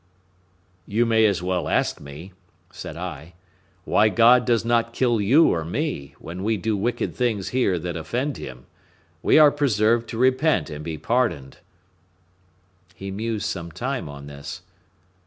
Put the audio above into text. "You may as well ask me," said I, "why God does not kill you or me, when we do wicked things here that offend Him—we are preserved to repent and be pardoned." He mused some time on this.